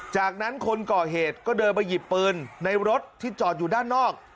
จากนั้นคนก่อเหตุก็เดินไปหยิบปืนในรถที่จอดอยู่ด้านนอก